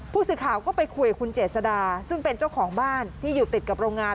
ผู้สื่อข่าวก็ไปคุยกับคุณเจษดาซึ่งเป็นเจ้าของบ้านที่อยู่ติดกับโรงงาน